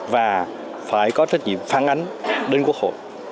và phải có trách nhiệm phản ánh đến quốc hội